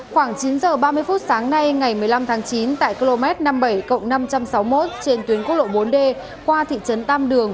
khoảng chín h ba mươi phút sáng nay ngày một mươi năm tháng chín tại km năm mươi bảy năm trăm sáu mươi một trên tuyến quốc lộ bốn d qua thị trấn tam đường